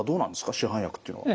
市販薬っていうのは。